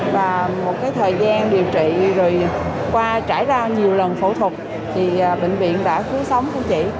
và một cái thời gian điều trị rồi qua trải ra nhiều lần phẫu thuật thì bệnh viện đã cứu sống của chị